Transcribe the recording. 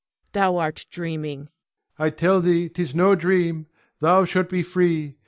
Thou art dreaming! Ion. I tell thee 'tis no dream. Thou shalt be free.